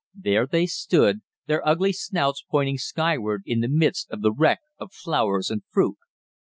There they stood, their ugly snouts pointing skyward in the midst of the wreck of flowers and fruit.